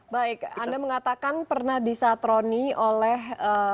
baik anda mengatakan pernah disatroni oleh